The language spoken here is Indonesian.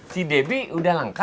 si debbie udah langka